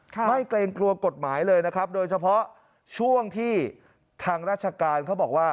ไม่เกรงกลัวกฎหมายเลยนะครับโดยเฉพาะช่วงที่ทางราชการเขาบอกว่า